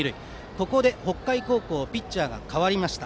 ここで北海高校はピッチャーが代わりました。